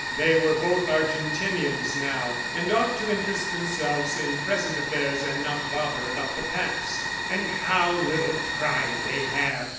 ... They were both Argentinians now, and ought to interest themselves in present affairs and not bother about the past. "And how little pride they have!"